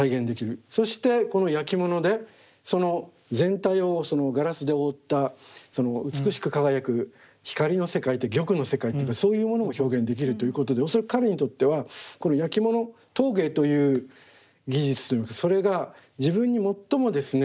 そしてこのやきものでその全体をガラスで覆った美しく輝く光の世界玉の世界というかそういうものも表現できるということで恐らく彼にとってはこのやきもの陶芸という技術といいますかそれが自分に最もですね